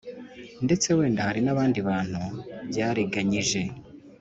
ndetse wenda hari n'abandi bantu byariganyije